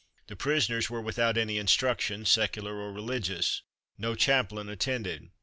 The prisoners were without any instruction, secular or religious. No chaplain attended.